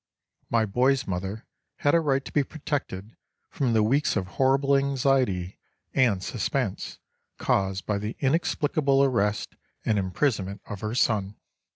My boy's mother had a right to be protected from the weeks of horrible anxiety and suspense caused by the inexplicable arrest and imprisonment of her son.